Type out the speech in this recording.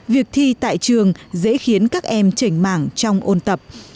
việc thi tại trường dễ khiến các em trành mảng trong ôn tập